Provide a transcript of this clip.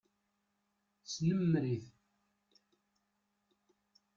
Snemmer-it.